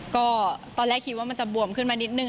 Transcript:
ก็ตอนแรกคิดว่ามันจะบวมขึ้นมานิดนึง